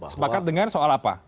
sepakat dengan soal apa